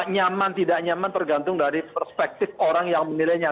nyaman tidak nyaman tergantung dari perspektif orang yang menilainya